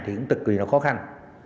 thì cũng tự kỳ là khó khăn